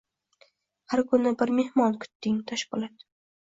Har kuni bir mehmon kutding, Toshpo‘lat.